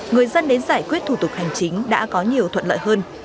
người dân đến giải quyết thủ tục hành chính đã có nhiều thuận lợi hơn